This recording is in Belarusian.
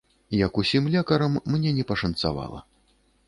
Як усім лекарам, мне не пашанцавала.